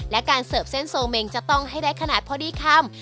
และการเสิร์ฟเส้นโซเมงจะต้องให้ได้ขนาดพอดีคำ